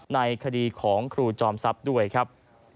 ในคดีของครูจอมทรัพย์ด้วยครับ